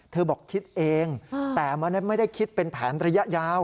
บอกคิดเองแต่มันไม่ได้คิดเป็นแผนระยะยาว